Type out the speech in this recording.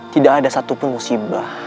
tidak ada satupun musibah